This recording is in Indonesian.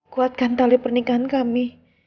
kuatkan tali pernikahan kami